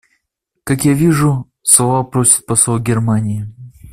Как я вижу, слова просит посол Германии.